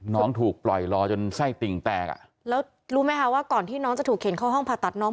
น้องถูกปล่อยรอจนไส้ติ่งแตกอ่ะแล้วรู้ไหมคะว่าก่อนที่น้องจะถูกเข็นเข้าห้องผ่าตัดน้อง